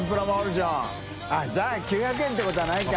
じゃあ９００円ってことはないか。